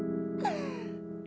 karena atika tuh sedih banget